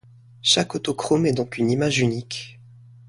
Chaque autochrome est donc une image unique.